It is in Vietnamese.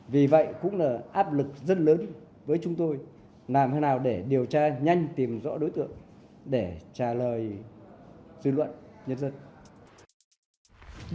vì vậy cũng là áp lực rất lớn với chúng tôi làm thế nào để điều tra nhanh tìm rõ đối tượng để trả lời dư luận nhân dân